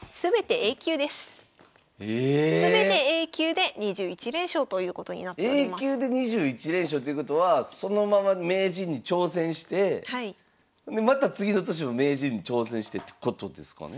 Ａ級で２１連勝ということはそのまま名人に挑戦してでまた次の年も名人に挑戦してるってことですかね？